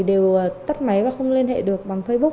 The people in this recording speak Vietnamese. đều tắt máy và không liên hệ được bằng facebook